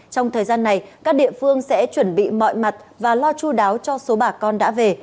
trong thời gian này các địa phương sẽ chuẩn bị mọi mặt và lo chú đáo cho số bà con đã về